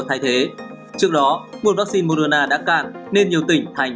thay thế trước đó nguồn vaccine moderna đã cạn nên nhiều tỉnh thành